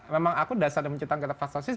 memang aku dasarnya mencintai kita fast fascist